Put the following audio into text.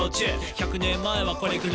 「１００年前はこれぐらい」